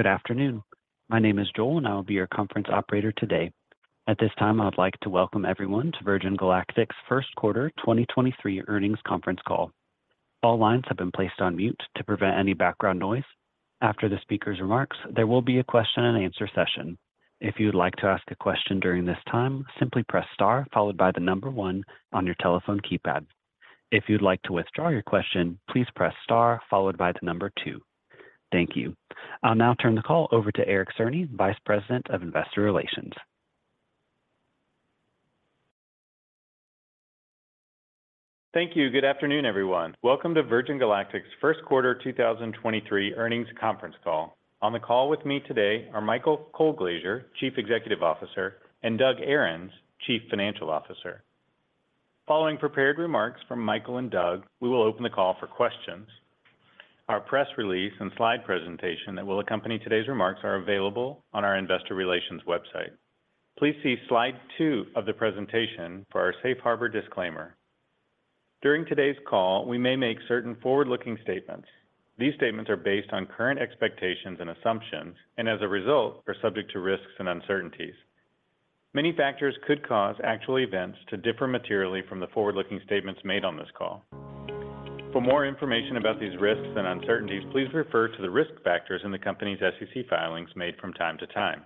Good afternoon. My name is Joel, I will be your conference operator today. At this time, I would like to welcome everyone to Virgin Galactic's 1st quarter 2023 earnings conference call. All lines have been placed on mute to prevent any background noise. After the speaker's remarks, there will be a question-and-answer session. If you would like to ask a question during this time, simply press star followed by one on your telephone keypad. If you'd like to withdraw your question, please press star followed by two. Thank you. I'll now turn the call over to Eric Cerny, Vice President of Investor Relations. Thank you. Good afternoon, everyone. Welcome to Virgin Galactic's first quarter 2023 earnings conference call. On the call with me today are Michael Colglazier, Chief Executive Officer, and Doug Ahrens, Chief Financial Officer. Following prepared remarks from Michael and Doug, we will open the call for questions. Our press release and slide presentation that will accompany today's remarks are available on our investor relations website. Please see slide two of the presentation for our safe harbor disclaimer. During today's call, we may make certain forward-looking statements. These statements are based on current expectations and assumptions, and as a result, are subject to risks and uncertainties. Many factors could cause actual events to differ materially from the forward-looking statements made on this call. For more information about these risks and uncertainties, please refer to the risk factors in the company's SEC filings made from time to time.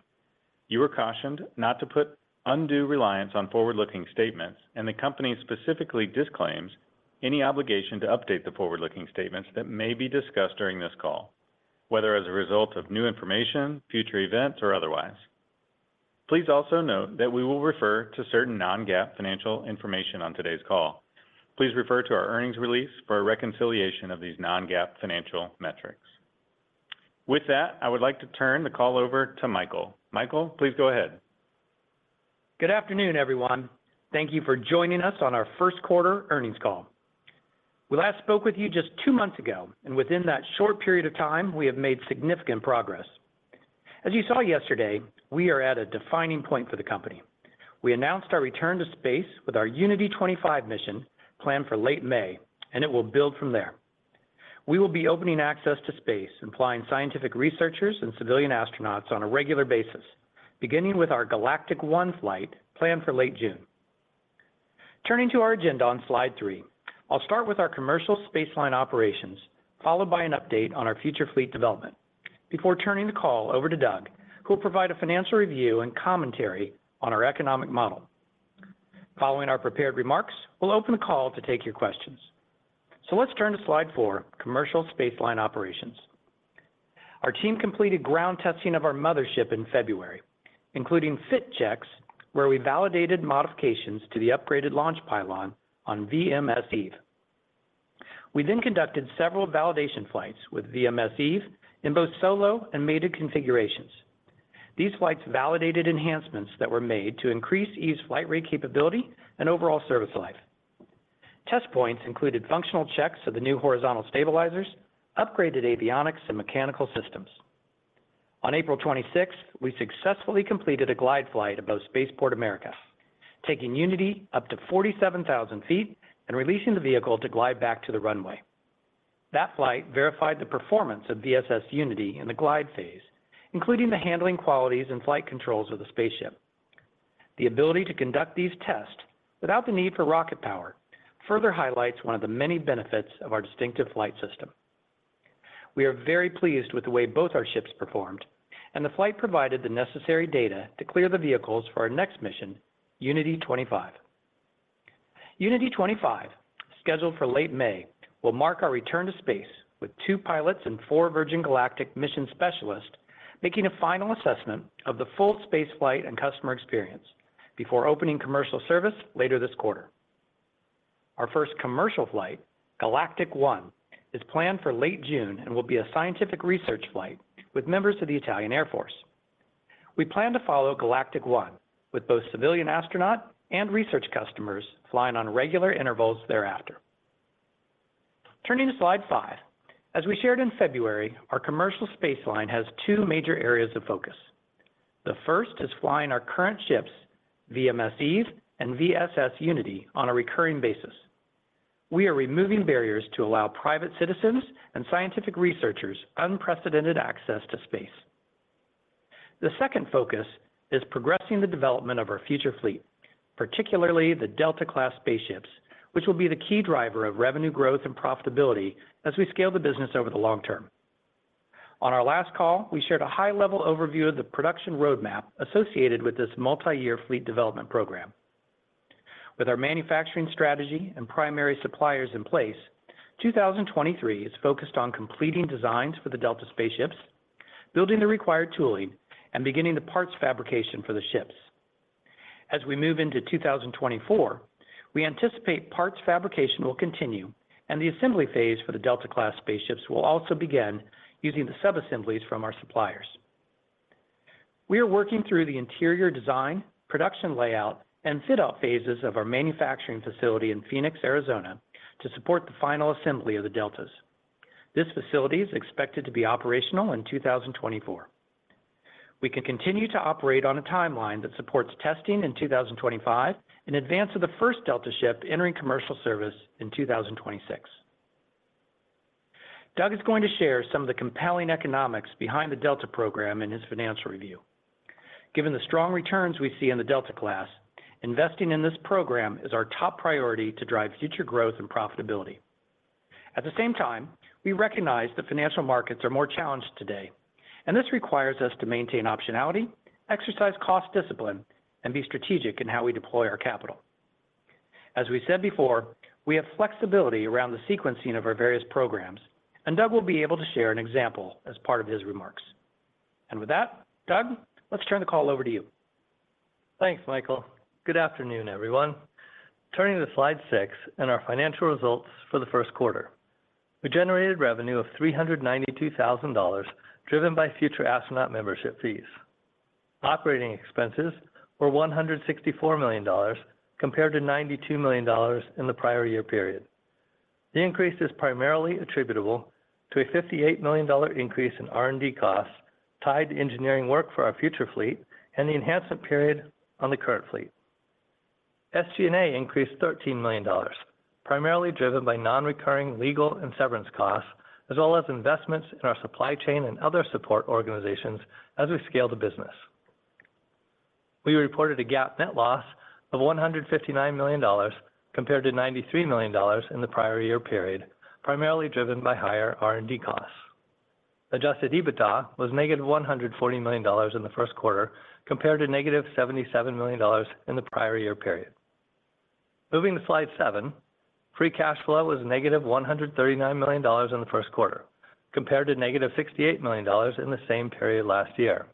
You are cautioned not to put undue reliance on forward-looking statements, and the company specifically disclaims any obligation to update the forward-looking statements that may be discussed during this call, whether as a result of new information, future events, or otherwise. Please also note that we will refer to certain non-GAAP financial information on today's call. Please refer to our earnings release for a reconciliation of these non-GAAP financial metrics. With that, I would like to turn the call over to Michael. Michael, please go ahead. Good afternoon, everyone. Thank you for joining us on our first quarter earnings call. We last spoke with you just two months ago, and within that short period of time, we have made significant progress. As you saw yesterday, we are at a defining point for the company. We announced our return to space with our Unity 25 mission planned for late May, and it will build from there. We will be opening access to space and flying scientific researchers and civilian astronauts on a regular basis, beginning with our Galactic 01 flight planned for late June. Turning to our agenda on slide three, I'll start with our commercial space line operations, followed by an update on our future fleet development, before turning the call over to Doug, who will provide a financial review and commentary on our economic model. Following our prepared remarks, we'll open the call to take your questions. Let's turn to slide four, commercial space line operations. Our team completed ground testing of our mothership in February, including fit checks, where we validated modifications to the upgraded launch pylon on VMS Eve. We conducted several validation flights with VMS Eve in both solo and mated configurations. These flights validated enhancements that were made to increase Eve's flight rate capability and overall service life. Test points included functional checks of the new horizontal stabilizers, upgraded avionics and mechanical systems. On April 26th, we successfully completed a glide flight above Spaceport America, taking Unity up to 47,000 feet and releasing the vehicle to glide back to the runway. That flight verified the performance of VSS Unity in the glide phase, including the handling qualities and flight controls of the spaceship. The ability to conduct these tests without the need for rocket power further highlights one of the many benefits of our distinctive flight system. We are very pleased with the way both our ships performed, and the flight provided the necessary data to clear the vehicles for our next mission, Unity 25. Unity 25, scheduled for late May, will mark our return to space with two pilots and 4 Virgin Galactic mission specialists making a final assessment of the full space flight and customer experience before opening commercial service later this quarter. Our first commercial flight, Galactic 01, is planned for late June and will be a scientific research flight with members of the Italian Air Force. We plan to follow Galactic 01 with both civilian astronaut and research customers flying on regular intervals thereafter. Turning to slide five, as we shared in February, our commercial space line has two major areas of focus. The first is flying our current ships, VMS Eve and VSS Unity, on a recurring basis. We are removing barriers to allow private citizens and scientific researchers unprecedented access to space. The second focus is progressing the development of our future fleet, particularly the Delta class spaceships, which will be the key driver of revenue growth and profitability as we scale the business over the long term. On our last call, we shared a high-level overview of the production roadmap associated with this multi-year fleet development program. With our manufacturing strategy and primary suppliers in place, 2023 is focused on completing designs for the Delta spaceships, building the required tooling, and beginning the parts fabrication for the ships. As we move into 2024, we anticipate parts fabrication will continue, and the assembly phase for the Delta class spaceships will also begin using the subassemblies from our suppliers. We are working through the interior design, production layout, and fit-out phases of our manufacturing facility in Phoenix, Arizona, to support the final assembly of the Deltas. This facility is expected to be operational in 2024. We can continue to operate on a timeline that supports testing in 2025 in advance of the first Delta ship entering commercial service in 2026. Doug is going to share some of the compelling economics behind the Delta program in his financial review. Given the strong returns we see in the Delta class, investing in this program is our top priority to drive future growth and profitability. At the same time, we recognize the financial markets are more challenged today, and this requires us to maintain optionality, exercise cost discipline, and be strategic in how we deploy our capital. As we said before, we have flexibility around the sequencing of our various programs, and Doug will be able to share an example as part of his remarks. With that, Doug, let's turn the call over to you. Thanks, Michael. Good afternoon, everyone. Turning to slide six and our financial results for the first quarter. We generated revenue of $392,000, driven by future astronaut membership fees. Operating expenses were $164 million compared to $92 million in the prior year period. The increase is primarily attributable to a $58 million increase in R&D costs tied to engineering work for our future fleet and the enhancement period on the current fleet. SG&A increased $13 million, primarily driven by non-recurring legal and severance costs, as well as investments in our supply chain and other support organizations as we scale the business. We reported a GAAP net loss of $159 million compared to $93 million in the prior year period, primarily driven by higher R&D costs. Adjusted EBITDA was negative $140 million in the first quarter compared to negative $77 million in the prior year period. Moving to slide 7, free cash flow was negative $139 million in the first quarter compared to negative $68 million in the same period last year.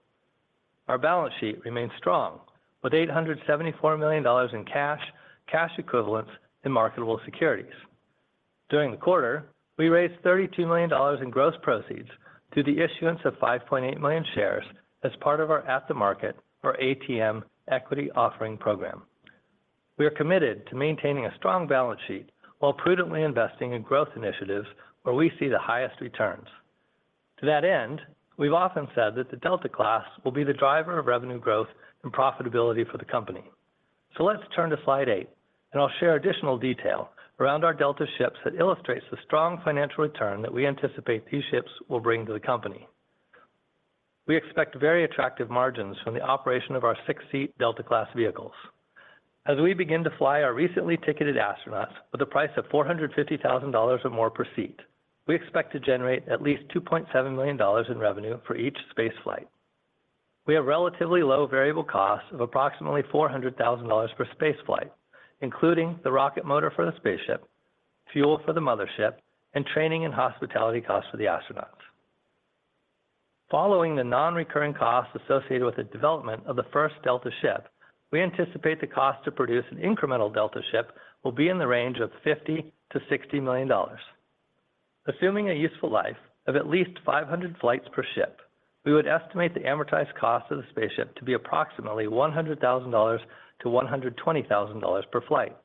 Our balance sheet remains strong with $874 million in cash equivalents in marketable securities. During the quarter, we raised $32 million in gross proceeds through the issuance of 5.8 million shares as part of our at the market or ATM equity offering program. We are committed to maintaining a strong balance sheet while prudently investing in growth initiatives where we see the highest returns. To that end, we've often said that the Delta class will be the driver of revenue growth and profitability for the company. Let's turn to slide eight, and I'll share additional detail around our Delta ships that illustrates the strong financial return that we anticipate these ships will bring to the company. We expect very attractive margins from the operation of our six-seat Delta class vehicles. As we begin to fly our recently ticketed astronauts with a price of $450,000 or more per seat, we expect to generate at least $2.7 million in revenue for each spaceflight. We have relatively low variable costs of approximately $400,000 per spaceflight, including the rocket motor for the spaceship, fuel for the mothership, and training and hospitality costs for the astronauts. Following the non-recurring costs associated with the development of the first Delta ship, we anticipate the cost to produce an incremental Delta ship will be in the range of $50 million-$60 million. Assuming a useful life of at least 500 flights per ship, we would estimate the amortized cost of the spaceship to be approximately $100,000-$120,000 per flight.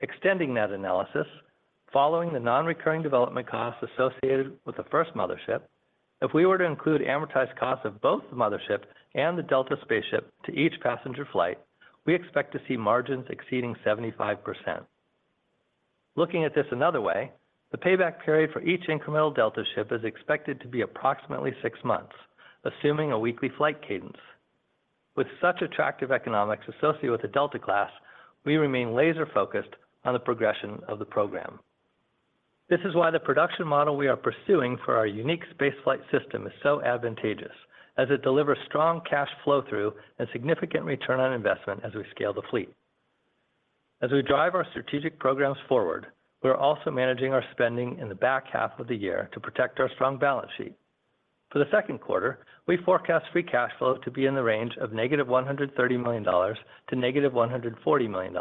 Extending that analysis, following the non-recurring development costs associated with the first mothership, if we were to include amortized costs of both the mothership and the Delta spaceship to each passenger flight, we expect to see margins exceeding 75%. Looking at this another way, the payback period for each incremental Delta ship is expected to be approximately six months, assuming a weekly flight cadence. With such attractive economics associated with the Delta class, we remain laser-focused on the progression of the program. This is why the production model we are pursuing for our unique space flight system is so advantageous as it delivers strong cash flow through and significant return on investment as we scale the fleet. As we drive our strategic programs forward, we are also managing our spending in the back half of the year to protect our strong balance sheet. For the second quarter, we forecast free cash flow to be in the range of -$130 million to -$140 million.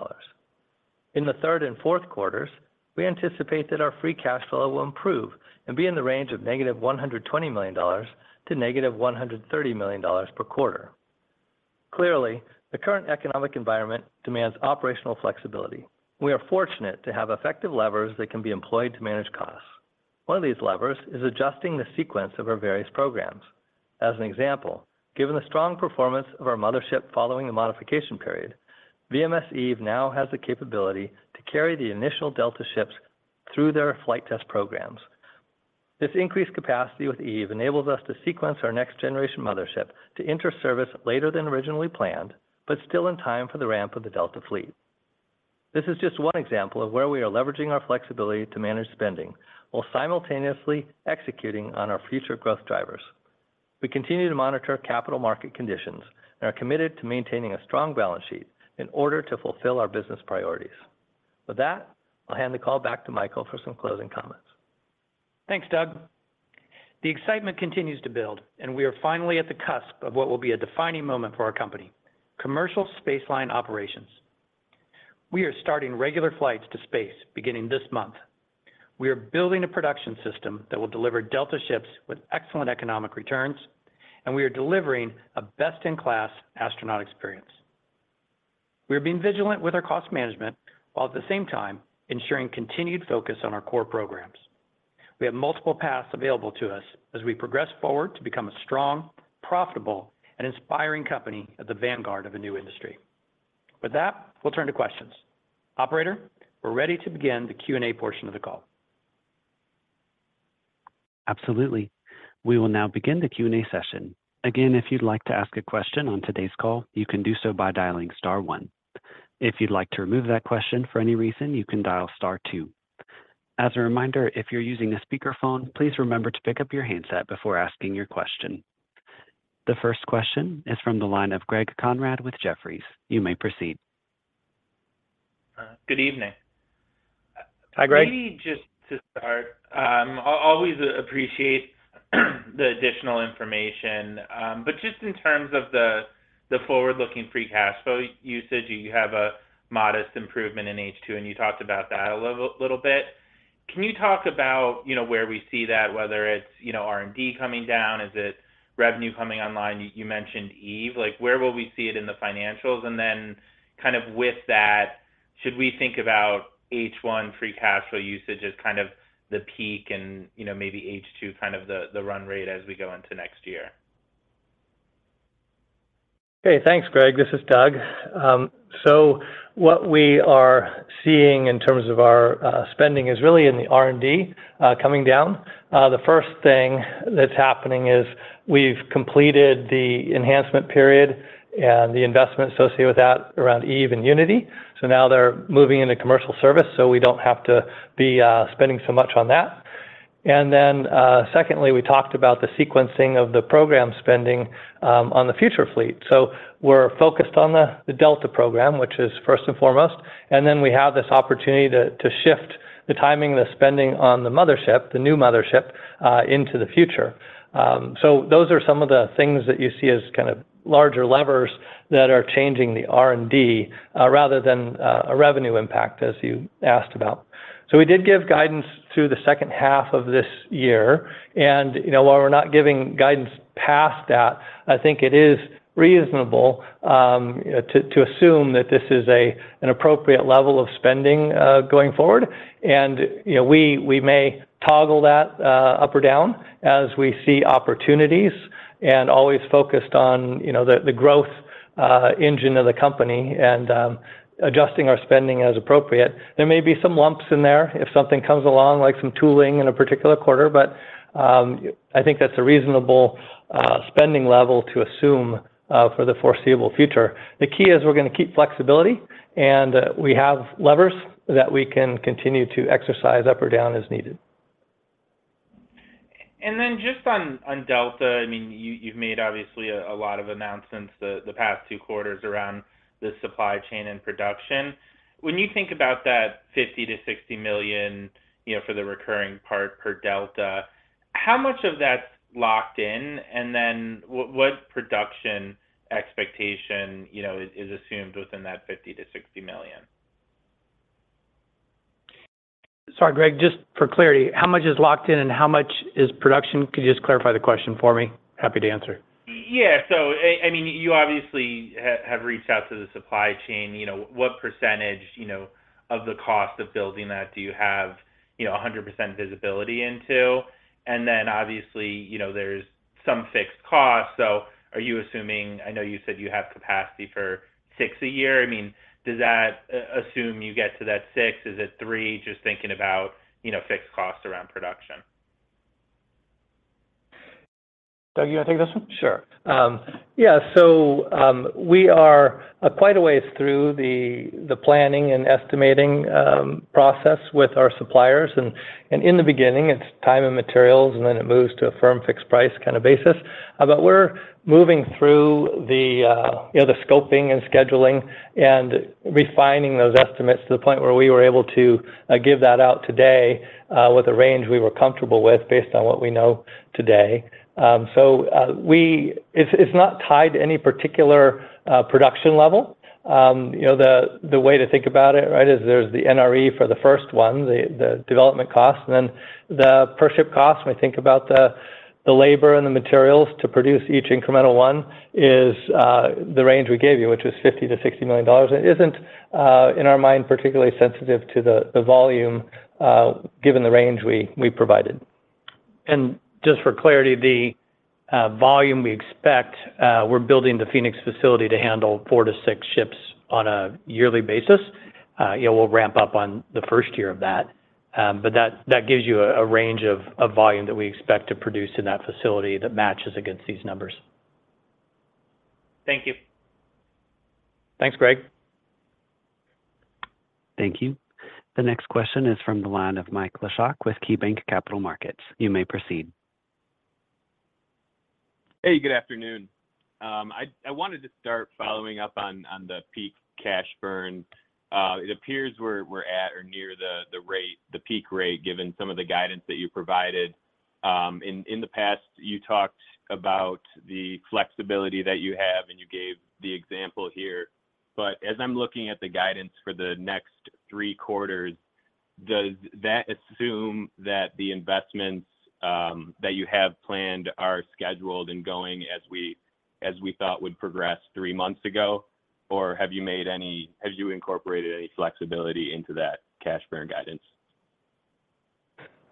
In the third and fourth quarters, we anticipate that our free cash flow will improve and be in the range of -$120 million to -$130 million per quarter. Clearly, the current economic environment demands operational flexibility. We are fortunate to have effective levers that can be employed to manage costs. One of these levers is adjusting the sequence of our various programs. As an example, given the strong performance of our mothership following the modification period, VMS Eve now has the capability to carry the initial Delta ships through their flight test programs. This increased capacity with Eve enables us to sequence our next generation mothership to enter service later than originally planned, but still in time for the ramp of the Delta fleet. This is just one example of where we are leveraging our flexibility to manage spending while simultaneously executing on our future growth drivers. We continue to monitor capital market conditions and are committed to maintaining a strong balance sheet in order to fulfill our business priorities. With that, I'll hand the call back to Michael for some closing comments. Thanks, Doug. The excitement continues to build. We are finally at the cusp of what will be a defining moment for our company, commercial space line operations. We are starting regular flights to space beginning this month. We are building a production system that will deliver Delta ships with excellent economic returns. We are delivering a best-in-class astronaut experience. We are being vigilant with our cost management while at the same time ensuring continued focus on our core programs. We have multiple paths available to us as we progress forward to become a strong, profitable, and inspiring company at the vanguard of a new industry. With that, we'll turn to questions. Operator, we're ready to begin the Q&A portion of the call. Absolutely. We will now begin the Q&A session. If you'd like to ask a question on today's call, you can do so by dialing star one. If you'd like to remove that question for any reason, you can dial star two. As a reminder, if you're using a speakerphone, please remember to pick up your handset before asking your question. The first question is from the line of Greg Konrad with Jefferies. You may proceed. Good evening. Hi, Greg. Maybe just to start, always appreciate the additional information. Just in terms of the forward-looking free cash flow usage, you have a modest improvement in H2, and you talked about that a little bit. Can you talk about, you know, where we see that, whether it's, you know, R&D coming down? Is it revenue coming online? You, you mentioned Eve. Like, where will we see it in the financials? Kind of with that, should we think about H1 free cash flow usage as kind of the peak and, you know, maybe H2 kind of the run rate as we go into next year? Okay. Thanks, Greg. This is Doug. What we are seeing in terms of our spending is really in the R&D coming down. The first thing that's happening is we've completed the enhancement period and the investment associated with that around Eve and Unity. Now they're moving into commercial service, so we don't have to be spending so much on that. Secondly, we talked about the sequencing of the program spending on the future fleet. We're focused on the Delta program, which is first and foremost, and then we have this opportunity to shift the timing and the spending on the mothership, the new mothership, into the future. So those are some of the things that you see as kind of larger levers that are changing the R&D, rather than a revenue impact, as you asked about. We did give guidance through the second half of this year, and, you know, while we're not giving guidance past that, I think it is reasonable to assume that this is an appropriate level of spending going forward. You know, we may toggle that up or down as we see opportunities and always focused on, you know, the growth engine of the company and adjusting our spending as appropriate. There may be some lumps in there if something comes along, like some tooling in a particular quarter. I think that's a reasonable spending level to assume for the foreseeable future. The key is we're gonna keep flexibility, and we have levers that we can continue to exercise up or down as needed. Just on Delta, I mean, you've made obviously a lot of announcements the past 2 quarters around the supply chain and production. When you think about that $50 million-$60 million, you know, for the recurring part per Delta, how much of that's locked in? What production expectation, you know, is assumed within that $50 million-$60 million? Sorry, Greg. Just for clarity, how much is locked in, and how much is production? Could you just clarify the question for me? Happy to answer. Yeah. I mean, you obviously have reached out to the supply chain. You know, what percentage, you know, of the cost of building that do you have, you know, 100% visibility into? Obviously, you know, there's some fixed costs. Are you assuming... I know you said you have capacity for six a year. I mean, does that assume you get to that six? Is it three? Just thinking about, you know, fixed costs around production. Doug, you wanna take this one? Sure. Yeah. We are quite a ways through the planning and estimating process with our suppliers. In the beginning, it's time and materials, and then it moves to a firm-fixed-price kind of basis. We're moving through the, you know, the scoping and scheduling and refining those estimates to the point where we were able to give that out today with a range we were comfortable with based on what we know today. It's not tied to any particular production level. You know, the way to think about it, right, is there's the NRE for the first one, the development cost, and then the per ship cost, when we think about the labor and the materials to produce each incremental one, is the range we gave you, which was $50 million-$60 million. It isn't in our mind, particularly sensitive to the volume, given the range we provided. Just for clarity, the volume we expect, we're building the Phoenix facility to handle four to six ships on a yearly basis. Yeah, we'll ramp up on the first year of that. That gives you a range of volume that we expect to produce in that facility that matches against these numbers. Thank you. Thanks, Greg. Thank you. The next question is from the line of Michael Leshock with KeyBanc Capital Markets. You may proceed. Hey, good afternoon. I wanted to start following up on the peak cash burn. It appears we're at or near the rate, the peak rate, given some of the guidance that you provided. In the past, you talked about the flexibility that you have, and you gave the example here. As I'm looking at the guidance for the next three quarters, does that assume that the investments that you have planned are scheduled and going as we thought would progress three months ago? Or have you incorporated any flexibility into that cash burn guidance?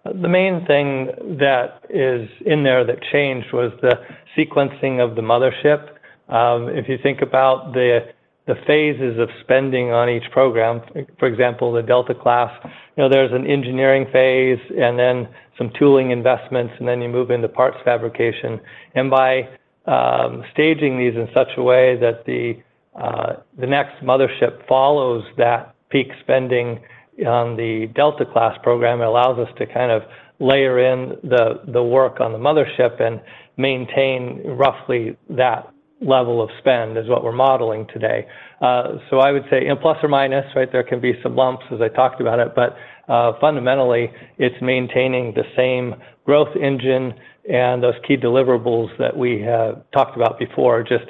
The main thing that is in there that changed was the sequencing of the mothership. If you think about the phases of spending on each program, for example, the Delta class, you know, there's an engineering phase and then some tooling investments, and then you move into parts fabrication. By staging these in such a way that the next mothership follows that peak spending on the Delta class program, it allows us to kind of layer in the work on the mothership and maintain roughly that level of spend is what we're modeling today. Plus or minus, right? There can be some lumps as I talked about it, but fundamentally it's maintaining the same growth engine and those key deliverables that we have talked about before, just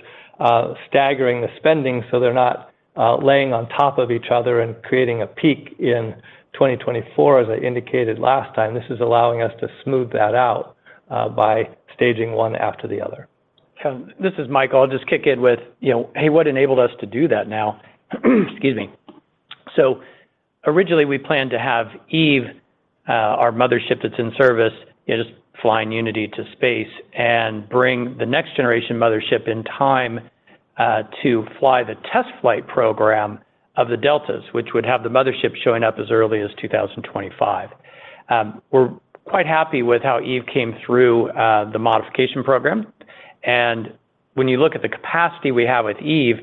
staggering the spending so they're not laying on top of each other and creating a peak in 2024, as I indicated last time. This is allowing us to smooth that out by staging one after the other. This is Mike. I'll just kick in with, you know, hey, what enabled us to do that now? Excuse me. Originally we planned to have Eve, our mothership that's in service, it is flying Unity to space and bring the next generation mothership in time to fly the test flight program of the Deltas, which would have the mothership showing up as early as 2025. We're quite happy with how Eve came through the modification program. When you look at the capacity we have with Eve,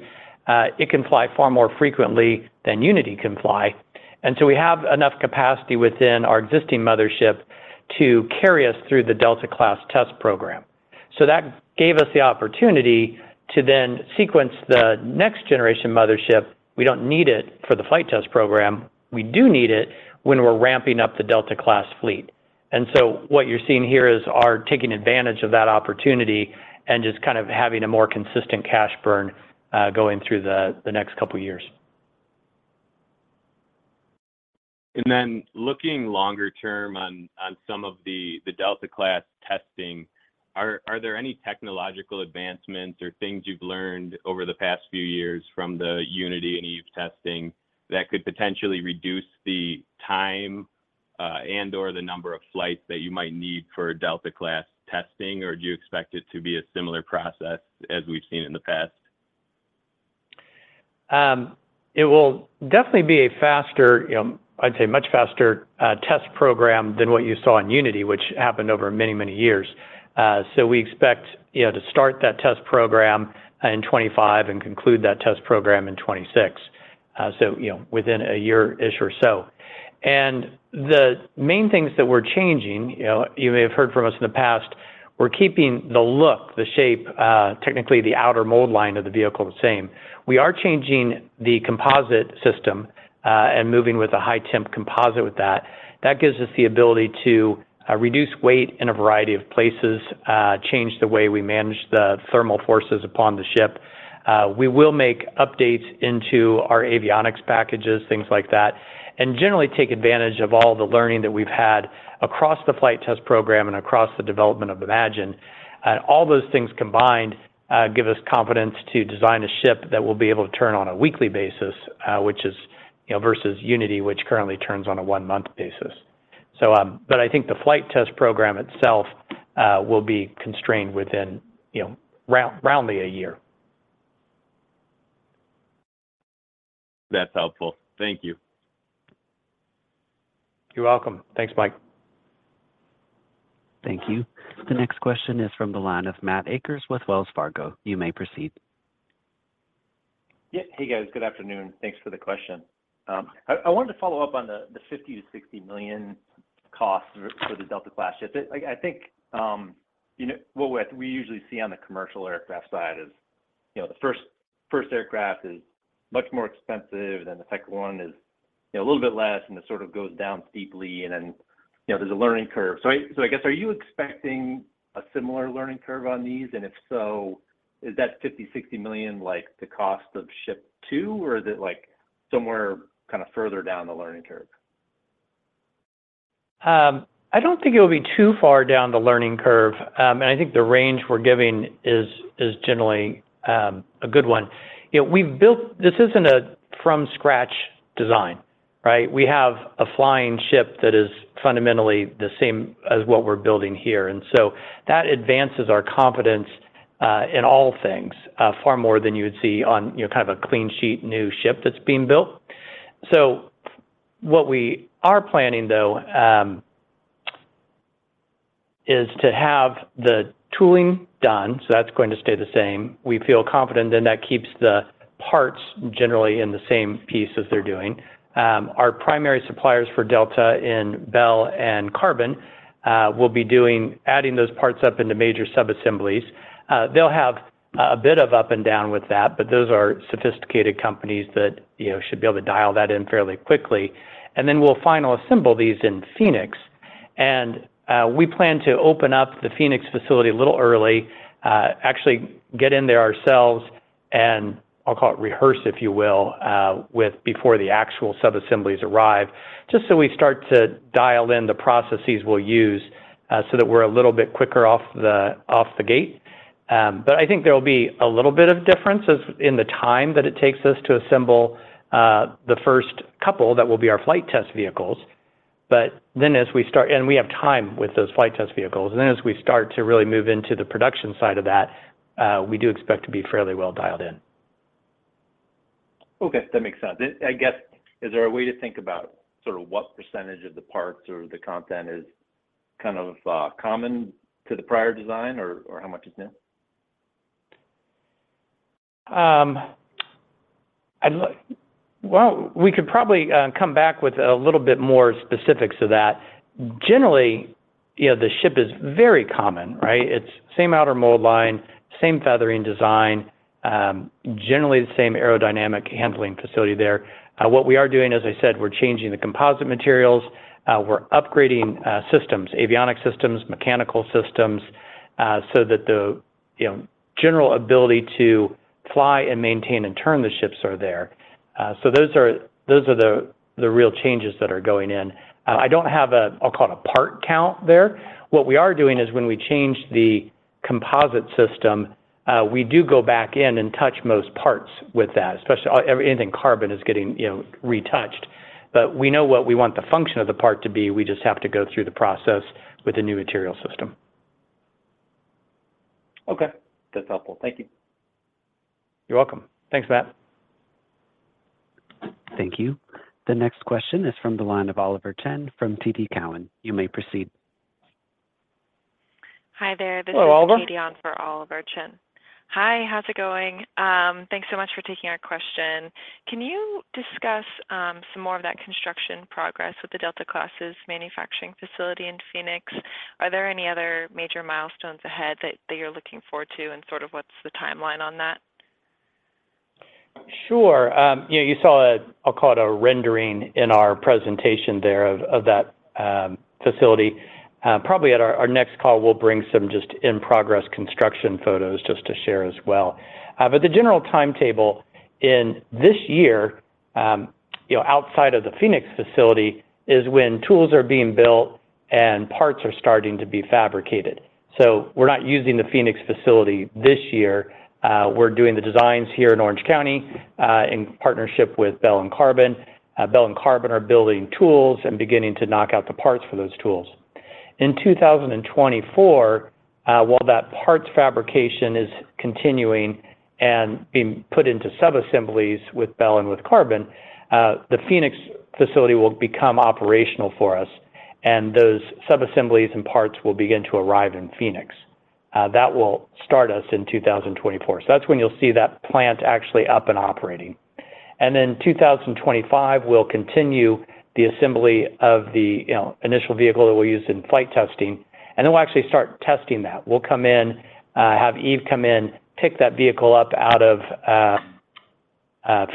it can fly far more frequently than Unity can fly. We have enough capacity within our existing mothership to carry us through the Delta class test program. That gave us the opportunity to then sequence the next generation mothership. We don't need it for the flight test program. We do need it when we're ramping up the Delta class fleet. What you're seeing here is our taking advantage of that opportunity and just kind of having a more consistent cash burn, going through the next couple of years. Looking longer term on some of the Delta class testing, are there any technological advancements or things you've learned over the past few years from the Unity and Eve testing that could potentially reduce the time, and/or the number of flights that you might need for Delta class testing? Or do you expect it to be a similar process as we've seen in the past? It will definitely be a faster, you know, I'd say much faster test program than what you saw in Unity, which happened over many, many years. So we expect, you know, to start that test program in 25 and conclude that test program in 26. So, you know, within a year-ish or so. The main things that we're changing, you know, you may have heard from us in the past, we're keeping the look, the shape, technically the outer mold line of the vehicle the same. We are changing the composite system and moving with a high temp composite with that. That gives us the ability to reduce weight in a variety of places, change the way we manage the thermal forces upon the ship. We will make updates into our avionics packages, things like that, and generally take advantage of all the learning that we've had across the flight test program and across the development of VSS Imagine. All those things combined give us confidence to design a ship that we'll be able to turn on a weekly basis, which is, you know, versus VSS Unity, which currently turns on a one-month basis. But I think the flight test program itself will be constrained within, you know, roundly a year. That's helpful. Thank you. You're welcome. Thanks, Mike. Thank you. The next question is from the line of Matt Akers with Wells Fargo. You may proceed. Yeah. Hey, guys. Good afternoon. Thanks for the question. I wanted to follow up on the $50 million-$60 million cost for the Delta class ship. Like, I think, you know, what we usually see on the commercial aircraft side is, you know, the first aircraft is much more expensive, then the second one is, you know, a little bit less, and it sort of goes down steeply and then, you know, there's a learning curve. I guess, are you expecting a similar learning curve on these? If so, is that $50 million-$60 million like the cost of ship two or is it like somewhere kind of further down the learning curve? I don't think it will be too far down the learning curve. I think the range we're giving is generally a good one. You know, this isn't a from scratch design, right? We have a flying ship that is fundamentally the same as what we're building here. That advances our confidence in all things far more than you would see on, you know, kind of a clean sheet new ship that's being built. What we are planning though is to have the tooling done, so that's going to stay the same. We feel confident then that keeps the parts generally in the same piece as they're doing. Our primary suppliers for Delta in Bell and Qarbon will be adding those parts up into major sub-assemblies. They'll have a bit of up and down with that, but those are sophisticated companies that, you know, should be able to dial that in fairly quickly. We'll final assemble these in Phoenix. We plan to open up the Phoenix facility a little early, actually get in there ourselves and I'll call it rehearse, if you will, before the actual subassemblies arrive, just so we start to dial in the processes we'll use, so that we're a little bit quicker off the gate. I think there will be a little bit of difference in the time that it takes us to assemble the first couple that will be our flight test vehicles. We have time with those flight test vehicles. As we start to really move into the production side of that, we do expect to be fairly well dialed in. Okay, that makes sense. I guess, is there a way to think about sort of what % of the parts or the content is kind of common to the prior design or how much is new? Well, we could probably come back with a little bit more specifics of that. Generally, you know, the ship is very common, right? It's same Outer Mold Line, same Feathering Design, generally the same aerodynamic handling facility there. What we are doing, as I said, we're changing the composite materials, we're upgrading systems, avionics systems, mechanical systems, so that the, you know, general ability to fly and maintain and turn the ships are there. Those are the real changes that are going in. I don't have I'll call it a part count there. What we are doing is when we change the composite system, we do go back in and touch most parts with that, especially anything carbon is getting, you know, retouched. We know what we want the function of the part to be. We just have to go through the process with a new material system. Okay. That's helpful. Thank you. You're welcome. Thanks, Matt. Thank you. The next question is from the line of Oliver Chen from TD Cowen. You may proceed. Hi there. Hello, Oliver. This is Katy on for Oliver Chen. Hi, how's it going? Thanks so much for taking our question. Can you discuss some more of that construction progress with the Delta class manufacturing facility in Phoenix? Are there any other major milestones ahead that you're looking forward to, and sort of what's the timeline on that? Sure. You know, you saw a, I'll call it a rendering in our presentation there of that facility. Probably at our next call, we'll bring some just in-progress construction photos just to share as well. The general timetable in this year, you know, outside of the Phoenix facility is when tools are being built and parts are starting to be fabricated. We're not using the Phoenix facility this year. We're doing the designs here in Orange County in partnership with Bell & Qarbon. Bell & Qarbon are building tools and beginning to knock out the parts for those tools. In 2024, while that parts fabrication is continuing and being put into subassemblies with Bell and with Qarbon, the Phoenix facility will become operational for us. Those subassemblies and parts will begin to arrive in Phoenix. That will start us in 2024. That's when you'll see that plant actually up and operating. In 2025, we'll continue the assembly of the, you know, initial vehicle that we'll use in flight testing. We'll actually start testing that. We'll come in, have Eve come in, pick that vehicle up out of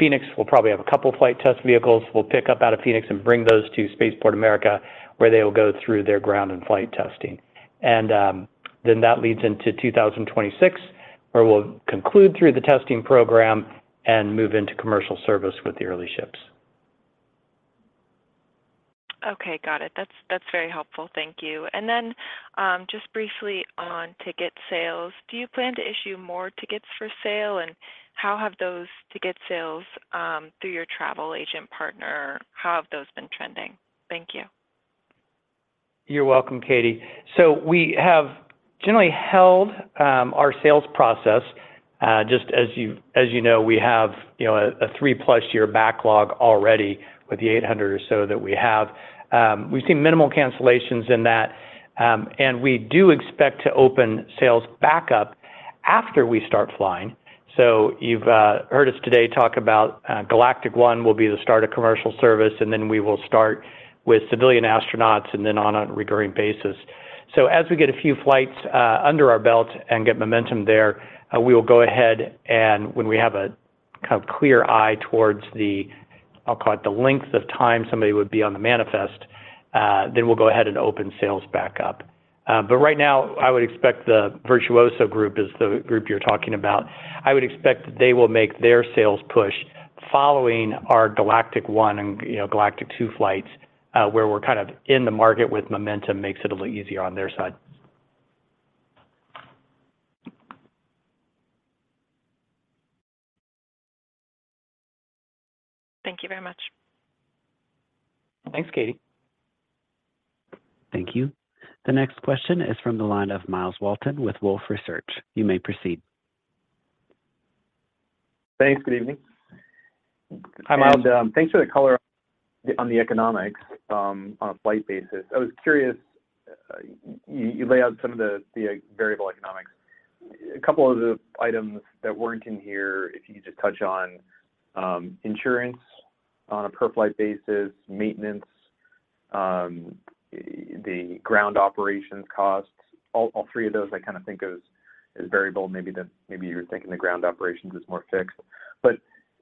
Phoenix. We'll probably have a couple flight test vehicles. We'll pick up out of Phoenix and bring those to Spaceport America, where they will go through their ground and flight testing. That leads into 2026, where we'll conclude through the testing program and move into commercial service with the early ships. Okay. Got it. That's very helpful. Thank you. Just briefly on ticket sales. Do you plan to issue more tickets for sale? How have those ticket sales, through your travel agent partner, how have those been trending? Thank you. You're welcome, Katy. We have generally held our sales process. Just as you know, we have a three-plus year backlog already with the 800 or so that we have. We've seen minimal cancellations in that, we do expect to open sales back up after we start flying. You've heard us today talk about Galactic 01 will be the start of commercial service, we will start with civilian astronauts and then on a recurring basis. As we get a few flights under our belt and get momentum there, we will go ahead and when we have a kind of clear eye towards the, I'll call it the length of time somebody would be on the manifest, then we'll go ahead and open sales back up. Right now, I would expect the Virtuoso group is the group you're talking about. I would expect that they will make their sales push following our Galactic 01 and you know, Galactic 02 flights, where we're kind of in the market with momentum makes it a little easier on their side. Thank you very much. Thanks, Katy. Thank you. The next question is from the line of Myles Walton with Wolfe Research. You may proceed. Thanks. Good evening. Hi, Myles. Thanks for the color on the economics on a flight basis. I was curious, you lay out some of the variable economics. A couple other items that weren't in here, if you could just touch on insurance on a per-flight basis, maintenance, the ground operations costs. All three of those I kind of think of as variable. Maybe you're thinking the ground operations is more fixed.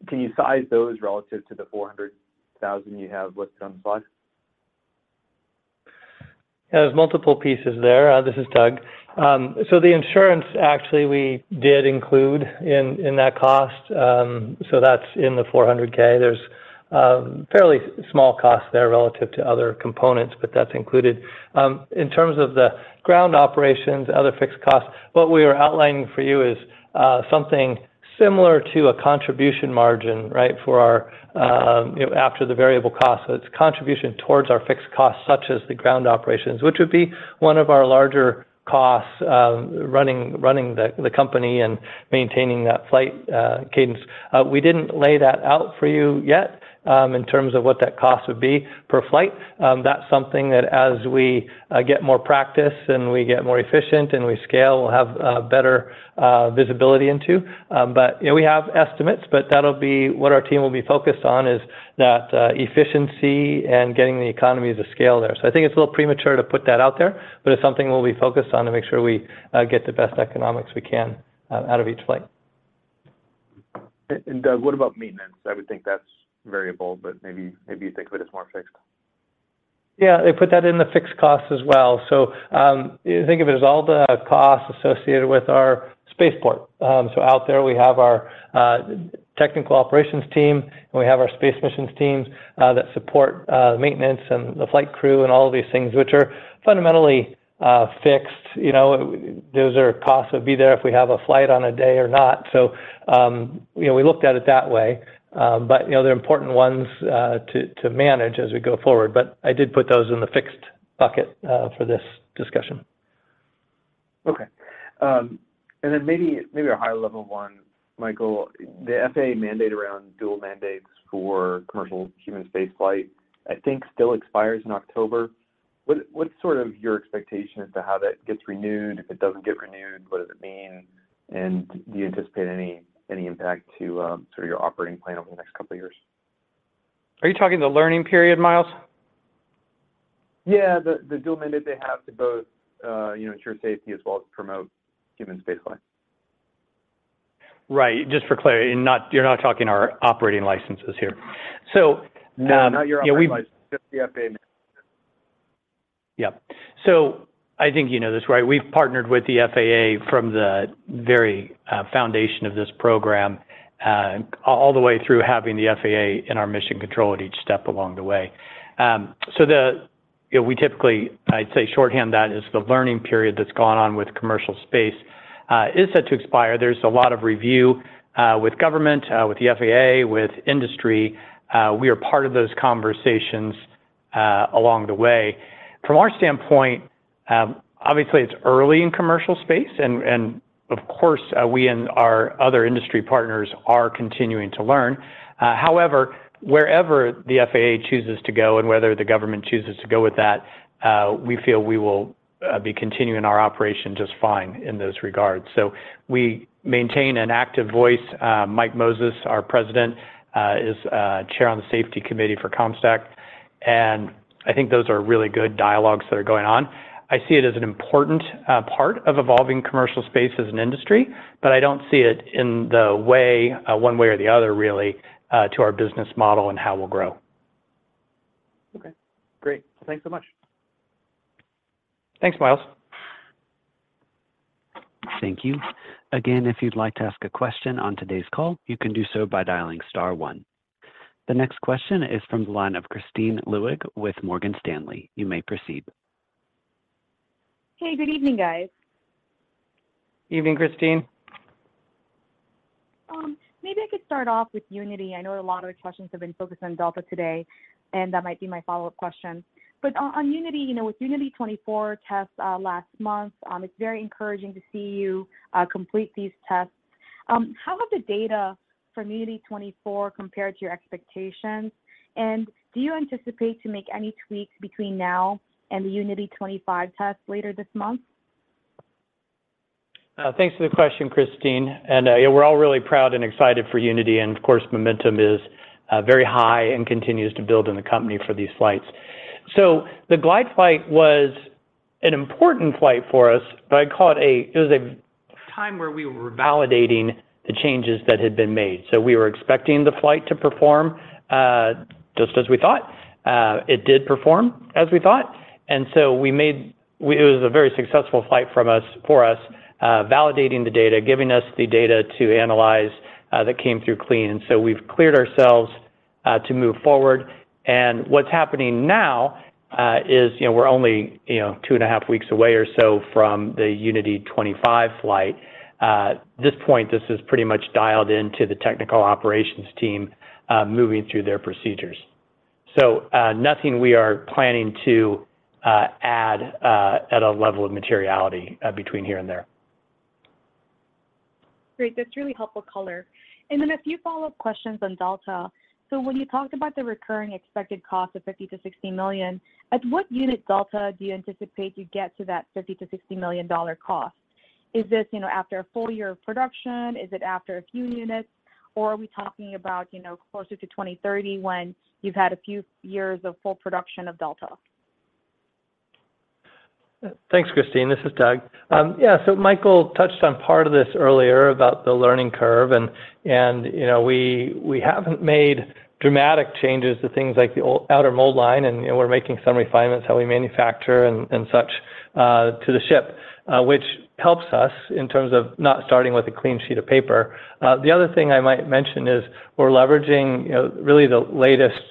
Can you size those relative to the $400,000 you have listed on the slide? There's multiple pieces there. This is Doug. The insurance actually we did include in that cost. That's in the $400,000. There's fairly small cost there relative to other components, but that's included. In terms of the ground operations, other fixed costs, what we are outlining for you is something similar to a contribution margin, right? For our, you know, after the variable cost. It's contribution towards our fixed costs such as the ground operations, which would be one of our larger costs, running the company and maintaining that flight cadence. We didn't lay that out for you yet, in terms of what that cost would be per flight. That's something that as we get more practice and we get more efficient and we scale, we'll have better visibility into. You know, we have estimates, but that'll be what our team will be focused on, is that efficiency and getting the economies of scale there. I think it's a little premature to put that out there, but it's something we'll be focused on to make sure we get the best economics we can out of each flight. Doug, what about maintenance? I would think that's variable, but maybe you think of it as more fixed? Yeah. I put that in the fixed cost as well. Think of it as all the costs associated with our space port. Out there we have our technical operations team and we have our space missions teams that support the maintenance and the flight crew and all of these things which are fundamentally fixed. You know, those are costs that would be there if we have a flight on a day or not. You know, we looked at it that way. But you know, they're important ones to manage as we go forward. I did put those in the fixed bucket for this discussion. Okay. maybe a higher level one, Michael Colglazier. The FAA mandate around dual mandate for commercial human spaceflight, I think still expires in October. What's sort of your expectation as to how that gets renewed? If it doesn't get renewed, what does it mean? Do you anticipate any impact to sort of your operating plan over the next two years? Are you talking the learning period, Myles? Yeah. The dual mandate they have to both, you know, ensure safety as well as promote human space flight. Right. Just for clarity, you're not talking our operating licenses here. No, not your operating license. Just the FAA mandate. Yep. I think you know this, right? We've partnered with the FAA from the very foundation of this program, all the way through having the FAA in our mission control at each step along the way. You know, we typically, I'd say shorthand that is the learning period that's gone on with commercial space, is set to expire. There's a lot of review with government, with the FAA, with industry. We are part of those conversations along the way. From our standpoint, obviously it's early in commercial space and of course, we and our other industry partners are continuing to learn. However, wherever the FAA chooses to go and whether the government chooses to go with that, we feel we will be continuing our operation just fine in those regards. We maintain an active voice. Mike Moses, our President, is chair on the safety committee for COMSTAC, and I think those are really good dialogues that are going on. I see it as an important part of evolving commercial space as an industry, but I don't see it in the way, one way or the other really, to our business model and how we'll grow. Okay. Great. Thanks so much. Thanks, Myles. Thank you. Again, if you'd like to ask a question on today's call, you can do so by dialing star one. The next question is from the line of Kristine Liwag with Morgan Stanley. You may proceed. Hey, good evening, guys. Evening, Kristine. Maybe I could start off with Unity. I know a lot of the questions have been focused on Delta today, and that might be my follow-up question. On Unity, you know, with Unity 24 tests last month, it's very encouraging to see you complete these tests. How has the data from Unity 24 compared to your expectations? Do you anticipate to make any tweaks between now and the Unity 25 tests later this month? Thanks for the question, Kristine. Yeah, we're all really proud and excited for Unity, and of course, momentum is very high and continues to build in the company for these flights. The glide flight was an important flight for us, but I'd call it a time where we were validating the changes that had been made. We were expecting the flight to perform just as we thought. It did perform as we thought. It was a very successful flight for us, validating the data, giving us the data to analyze that came through clean. We've cleared ourselves to move forward. What's happening now, you know, we're only, you know, two and a half weeks away or so from the Unity 25 flight. This point, this is pretty much dialed into the technical operations team, moving through their procedures. Nothing we are planning to add at a level of materiality between here and there. Great. That's really helpful color. Then a few follow-up questions on Delta. When you talked about the recurring expected cost of $50 million-$60 million, at what unit Delta do you anticipate you get to that $50 million-$60 million cost? Is this, you know, after a full year of production? Is it after a few units? Are we talking about, you know, closer to 2030 when you've had a few years of full production of Delta? Thanks, Kristine. This is Doug. Yeah, so Michael touched on part of this earlier about the learning curve and, you know, we haven't made dramatic changes to things like the outer mold line, and, you know, we're making some refinements how we manufacture and such to the ship, which helps us in terms of not starting with a clean sheet of paper. The other thing I might mention is we're leveraging, you know, really the latest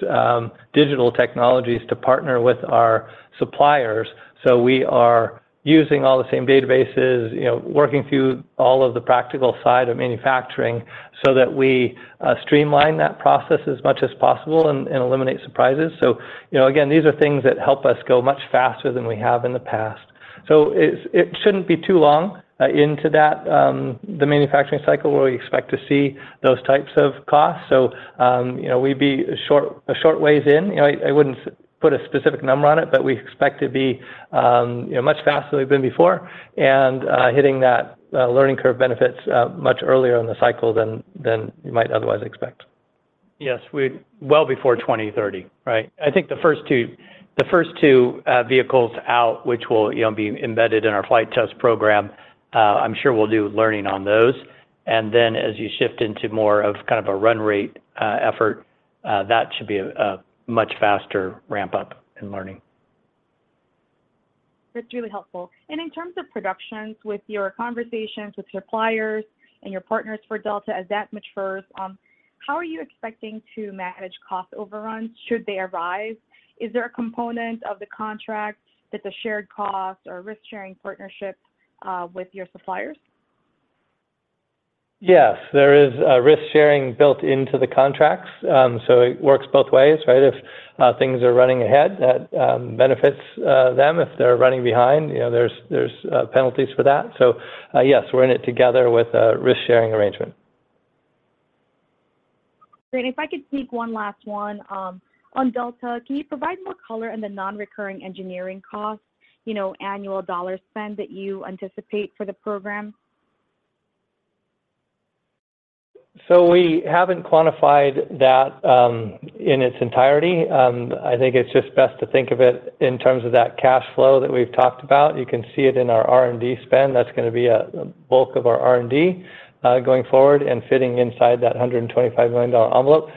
digital technologies to partner with our suppliers. We are using all the same databases, you know, working through all of the practical side of manufacturing so that we streamline that process as much as possible and eliminate surprises. You know, again, these are things that help us go much faster than we have in the past. It shouldn't be too long into that, the manufacturing cycle where we expect to see those types of costs. You know, we'd be a short ways in. You know, I wouldn't put a specific number on it, but we expect to be, you know, much faster than we've been before and, hitting that, learning curve benefits, much earlier in the cycle than you might otherwise expect. Yes, well before 2030, right? I think the first two vehicles out, which will, you know, be embedded in our flight test program, I'm sure we'll do learning on those. Then as you shift into more of kind of a run rate, effort, that should be a much faster ramp-up in learning. That's really helpful. In terms of productions, with your conversations with suppliers and your partners for Delta, as that matures, how are you expecting to manage cost overruns should they arise? Is there a component of the contract that's a shared cost or risk-sharing partnership with your suppliers? Yes, there is a risk-sharing built into the contracts. It works both ways, right? If things are running ahead, that benefits them. If they're running behind, you know, there's penalties for that. Yes, we're in it together with a risk-sharing arrangement. Great. If I could sneak one last one. On Delta, can you provide more color on the non-recurring engineering costs, you know, annual dollar spend that you anticipate for the program? We haven't quantified that in its entirety. I think it's just best to think of it in terms of that cash flow that we've talked about. You can see it in our R&D spend. That's gonna be a bulk of our R&D going forward and fitting inside that $125 million envelope.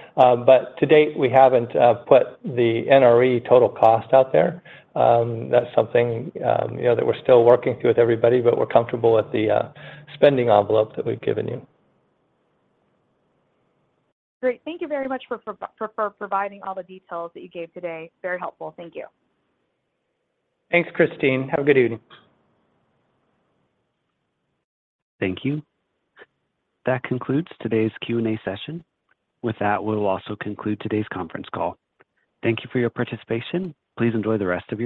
To date, we haven't put the NRE total cost out there. That's something, you know, that we're still working through with everybody, we're comfortable with the spending envelope that we've given you. Great. Thank you very much for providing all the details that you gave today. Very helpful. Thank you. Thanks, Kristine. Have a good evening. Thank you. That concludes today's Q&A session. With that, we'll also conclude today's conference call. Thank you for your participation. Please enjoy the rest of your day.